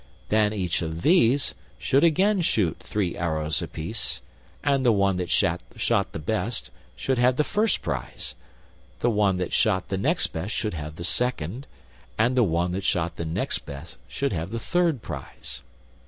Then each of these should again shoot three arrows apiece, and the one that shot the best should have the first prize, the one that shot the next best should have the second, and the one that shot the next best should have the third prize.